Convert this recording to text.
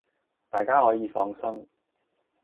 大家可以放心！